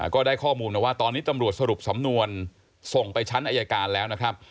ก็ได้ข้อมูลมาว่าตอนนี้ตำรวจสรุปสำนวนส่งไปชั้นอายการแล้วนะครับ